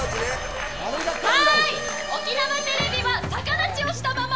沖縄テレビは逆立ちをしたまま